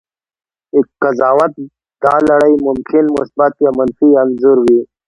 د قضاوت دا لړۍ ممکن مثبت یا منفي انځور وي.